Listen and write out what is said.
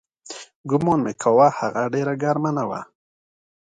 ګومان مې کاوه هغه ډېره ګرمه نه وه.